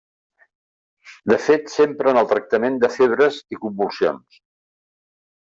De fet, s'empra en el tractament de febres i convulsions.